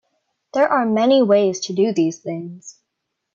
There are many ways to do these things.